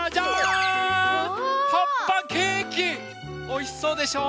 おいしそうでしょ？